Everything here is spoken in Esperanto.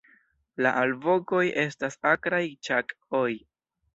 La alvokoj estas akraj "ĉak"'oj.